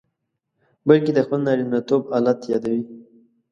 بلکې د خپل نارینتوب آلت یادوي.